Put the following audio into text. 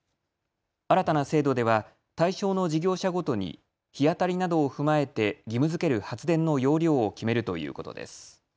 新たな制度では対象の事業者ごとに日当たりなどを踏まえて義務づける発電の容量を決めるということです。